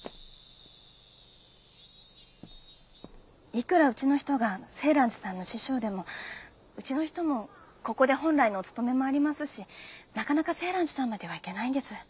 いくらうちの人が静嵐寺さんの師匠でもうちの人もここで本来のお勤めもありますしなかなか静嵐寺さんまでは行けないんです。